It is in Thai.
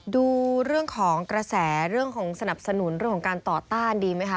ดูเรื่องของกระแสเรื่องของสนับสนุนเรื่องของการต่อต้านดีไหมคะ